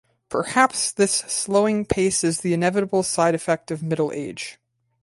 Perhaps this slowing pace is the inevitable side effect of middle age.